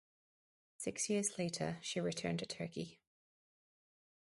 Six years later she returned to Turkey.